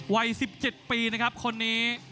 วัย๑๗ปีนะครับคนนี้